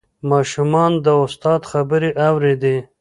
ماشومان د استاد خبرې اورېدې.